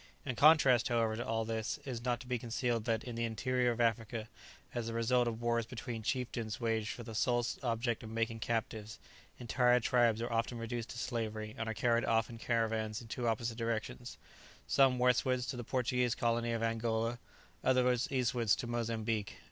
In contrast, however, to all this, it is not to be concealed that, in the interior of Africa, as the result of wars between chieftains waged for the sole object of making captives, entire tribes are often reduced to slavery, and are carried off in caravans in two opposite directions, some westwards to the Portuguese colony of Angola, others eastwards to Mozambique.